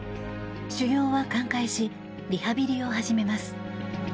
腫瘍は寛解しリハビリを始めます。